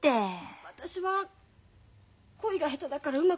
私は恋が下手だからうまくやれないの。